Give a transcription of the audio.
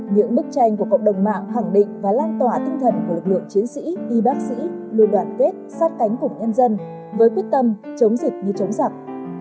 những bức tranh của cộng đồng mạng khẳng định và lan tỏa tinh thần của lực lượng chiến sĩ y bác sĩ luôn đoàn kết sát cánh cùng nhân dân với quyết tâm chống dịch như chống giặc